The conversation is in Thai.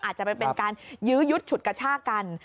อาจจะไปเป็นการยื้อยุดฉุดกระชากัน